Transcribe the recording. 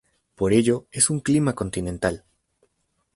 Por ello, es un clima continental.